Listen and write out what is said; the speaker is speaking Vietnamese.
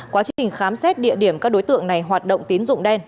quá trình khám xét địa điểm các đối tượng này hoạt động tín dụng đen